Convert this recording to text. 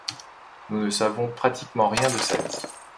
Nous ne savons pratiquement rien de sa vie.